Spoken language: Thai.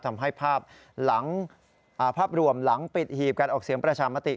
ทำให้ภาพหลังภาพรวมหลังปิดหีบการออกเสียงประชามติ